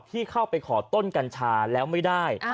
ที่เข้าไปขอต้นกัญชาแล้วไม่ได้